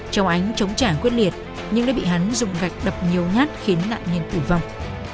châu ánh chống trả quyết liệt nhưng đã bị khanh dùng gạch đập nhiều nhát khiến nạn nhân tù vong